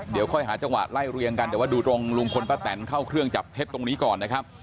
เดี๋ยวค่อยหาจังหวะไล่เรียงกันแต่ว่าดูตรงลุงพลป้าแตนเข้าเครื่องจับเท็จตรงนี้ก่อนนะครับ